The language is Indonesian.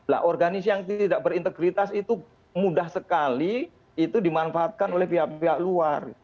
lah organisasi yang tidak berintegritas itu mudah sekali itu dimanfaatkan oleh pihak pihak luar